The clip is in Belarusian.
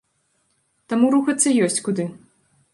Таму рухацца ёсць куды.